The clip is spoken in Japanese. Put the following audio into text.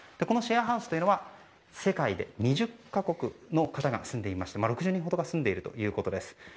このシェアハウスというのは世界で２０か国の方が住んでいまして６０人ほどが住んでいるということです。